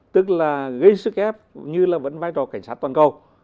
tức là gây sức ép như là vẫn vai trò cảnh sát toàn cầu